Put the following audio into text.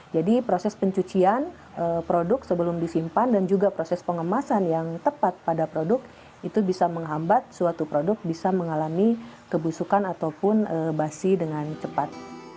jadi proses pencucian produk sebelum disimpan dan juga proses pengemasan yang tepat pada produk itu bisa menghambat suatu produk bisa mengalami kebusukan ataupun basi dengan cepat